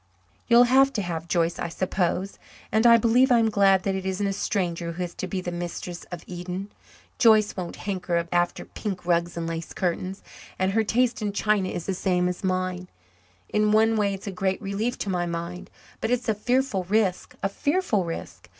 You'll have to have Joyce, I suppose. And I believe I'm glad that it isn't a stranger who is to be the mistress of Eden. Joyce won't hanker after pink rugs and lace curtains. And her taste in china is the same as mine. In one way it's a great relief to my mind. But it's a fearful risk a fearful risk.